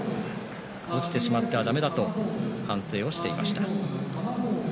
落ちてしまっては、だめだと反省をしていました。